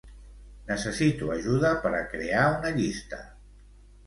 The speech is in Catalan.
Necessito ajuda per a crear una llista.